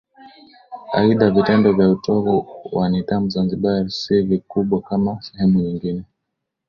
Aidha vitendo vya utovu wa nidhamu Zanzibar si vikubwa kama sehemu nyingine